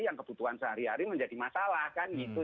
yang kebutuhan sehari hari menjadi masalah kan gitu